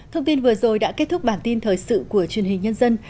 thông tin vừa rồi đã kết thúc bản tin thời sự của truyền hình nhân dân